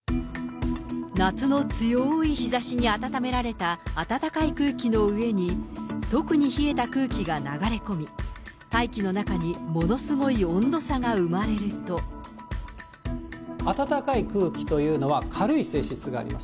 夏の強い日ざしに暖められた暖かい空気の上に、特に冷えた空気が流れ込み、大気の中にものすごい温度差が生まれ暖かい空気というのは、軽い性質があります。